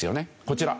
こちら。